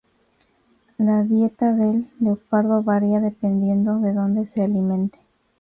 La dieta del leopardo varía dependiendo de donde se alimente.